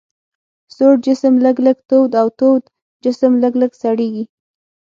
سوړ جسم لږ لږ تود او تود جسم لږ لږ سړیږي.